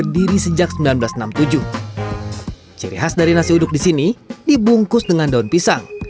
ciri khas dari nasi uduk di sini dibungkus dengan daun pisang